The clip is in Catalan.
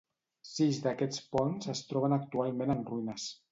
Sis d'aquests ponts es troben actualment en ruïnes.